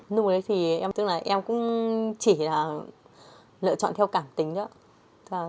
nhưng mà đấy thì em cũng chỉ là lựa chọn theo cảm tính đó